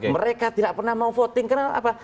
mereka tidak pernah mau voting karena apa